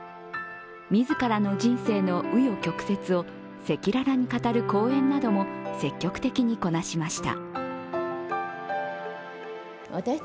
自らの人生の紆余曲折を赤裸々に語る講演なども積極的にこなしました。